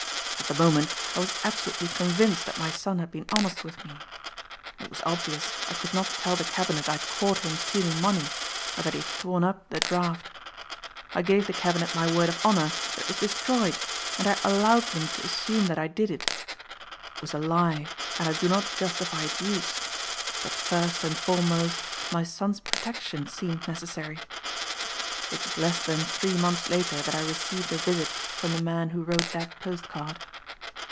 At the moment I was absolutely convinced that my son had been honest with me. It was obvious I could not tell the cabinet I had caught him stealing money or that he had torn up the draft. I gave the cabinet my word of honor that it was destroyed and I allowed them to assume that I did it. It was a lie and I do not justify its use, but first and foremost my son's protection seemed necessary. It was less than three months later that I received a visit from the man who wrote that post card.